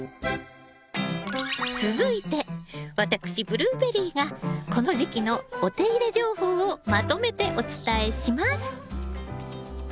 続いて私ブルーベリーがこの時期のお手入れ情報をまとめてお伝えします。